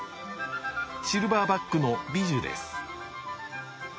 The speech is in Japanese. シルバーバックのビジュです。